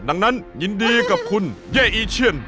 ดังนั้นยินดีกับคุณเย่อีเชียน